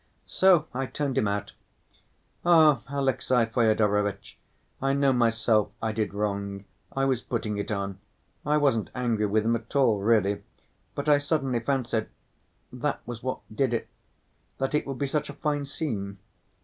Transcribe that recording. So I turned him out. Ah! Alexey Fyodorovitch, I know myself I did wrong. I was putting it on. I wasn't angry with him at all, really; but I suddenly fancied—that was what did it—that it would be such a fine scene....